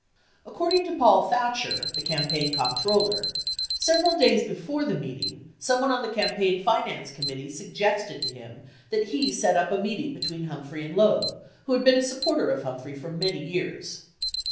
According to Paul Thatcher, the campaign comptroller, several days before the meeting, someone on the campaign finance committee suggested to him that he set up a meet ing between Humphrey and Loeb, who had been a supporter of Hum phrey for many years.